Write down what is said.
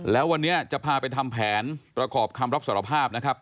แล้ววันนี้จะพาไปทำแผนประกอบคำรับสารภาพนะครับ